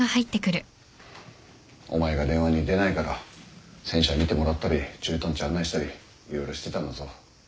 お前が電話に出ないから戦車見てもらったり駐屯地案内したり色々してたんだぞ。